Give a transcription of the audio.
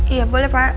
iya boleh pak